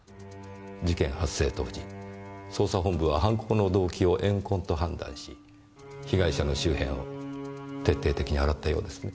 事件発生当時捜査本部は犯行の動機を怨恨と判断し被害者の周辺を徹底的に洗ったようですね。